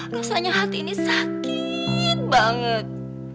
rasanya hati ini sakit banget